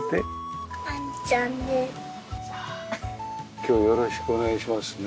今日はよろしくお願いしますね。